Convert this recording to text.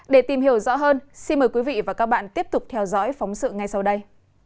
để tìm hiểu rõ hơn xin mời quý vị và các bạn tiếp tục theo dõi phóng sự ngay sau đây